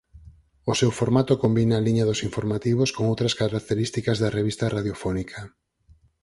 O seu formato combina a liña dos informativos con outras características da revista radiofónica.